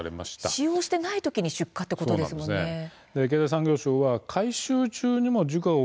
使用していないときに出火ということですものね。